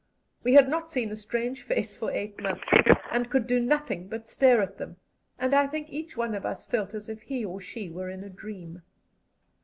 We had not seen a strange face for eight months, and could do nothing but stare at them, and I think each one of us felt as if he or she were in a dream.